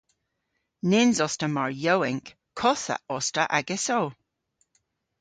Nyns os ta mar yowynk! Kottha os ta agesso!